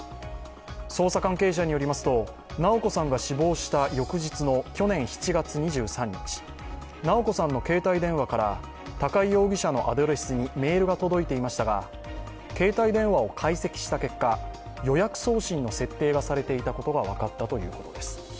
捜査関係者によりますと、直子さんが死亡した翌日の去年７月２３日、直子さんの携帯電話から高井容疑者のアドレスにメールが届いていましたが、携帯電話を解析した結果、予約送信の設定がされていたことが分かったということです。